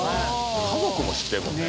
家族も知ってるもんね